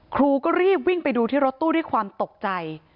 ครูก็รีบวิ่งไปดูที่รถตู้ด้วยความตกใจ